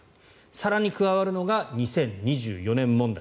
更に加わるのが２０２４年問題。